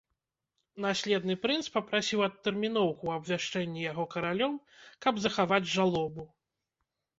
Наследны прынц папрасіў адтэрміноўку ў абвяшчэнні яго каралём, каб захаваць жалобу.